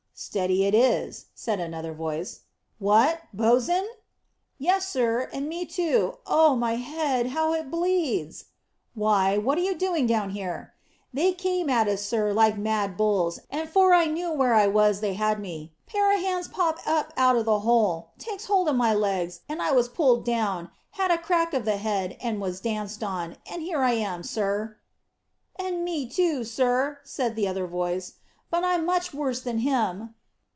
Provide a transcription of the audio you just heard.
"Steady it is," said another voice. "What, bo's'n?" "Yes, sir, and me too. Oh, my head! How it bleeds!" "Why, what are you doing here?" "They came at us, sir, like mad bulls, and 'fore I knew where I was they had me. Pair o' hands pops up out of the hole, takes hold of my legs, and I was pulled down, had a crack of the head, was danced on, and here I am, sir." "And me too, sir," said the other voice. "But, I'm much worse than him."